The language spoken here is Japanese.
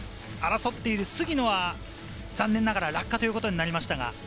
争っている杉野は残念ながら落下ということになりました。